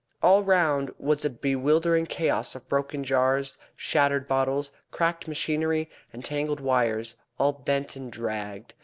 All round was a bewildering chaos of broken jars, shattered bottles, cracked machinery, and tangled wires, all bent and draggled.